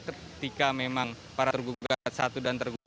ketika memang para tergugat satu dan tergugat